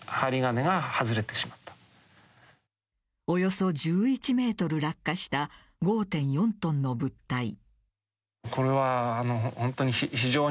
およそ１１ｍ落下した５．４トンの物体。